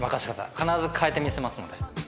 必ず変えてみせますので。